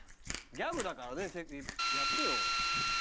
ギャグだからねやってよ。